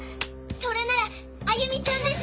それなら歩美ちゃんです！